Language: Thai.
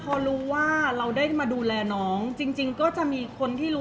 เพราะว่าสิ่งเหล่านี้มันเป็นสิ่งที่ไม่มีพยาน